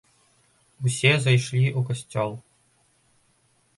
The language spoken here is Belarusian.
Усе зайшлі ў касцёл.